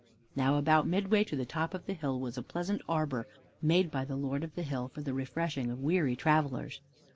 Now about midway to the top of the hill was a pleasant arbor, made by the Lord of the hill for the refreshing of weary travelers.